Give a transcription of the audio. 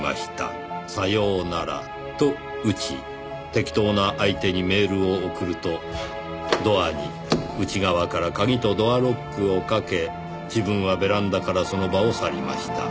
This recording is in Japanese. “さようなら”と打ち適当な相手にメールを送るとドアに内側から鍵とドアロックをかけ自分はベランダからその場を去りました」